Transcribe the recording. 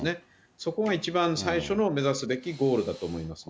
そこが一番最初の目指すべきゴールだと思いますね。